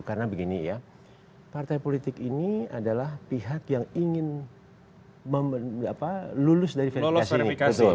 karena begini ya partai politik ini adalah pihak yang ingin lulus dari verifikasi ini